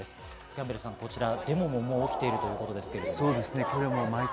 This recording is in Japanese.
キャンベルさん、デモも起きているということですが。